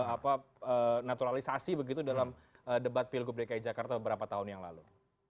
apa naturalisasi begitu dalam debat pilgub dki jakarta beberapa tahun yang lalu